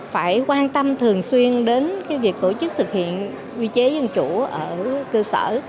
phải quan tâm thường xuyên đến việc tổ chức thực hiện quy chế dân chủ ở cơ sở